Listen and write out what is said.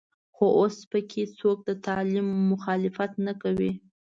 خو اوس په کې څوک د تعلیم مخالفت نه کوي.